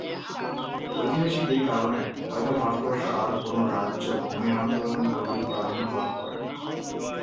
ঐতিহাসিক এই কারণে, হয়ত ভারতবর্ষের আর কোন রাজ্যে ভূমি আন্দোলন এরূপ প্রাধান্য লাভ করেনি।